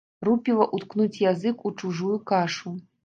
Рупіла ўткнуць язык у чужую кашу.